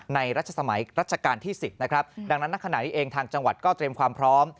รัชสมัยรัชกาลที่๑๐นะครับดังนั้นณขณะนี้เองทางจังหวัดก็เตรียมความพร้อม